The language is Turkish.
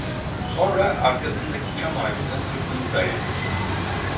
Sonra arkasındaki çam ağacına sırtını dayadı.